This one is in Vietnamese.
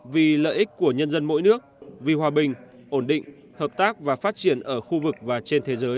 vì lợi ích của nhân dân mỗi nước vì hòa bình ổn định hợp tác và phát triển ở khu vực và trên thế giới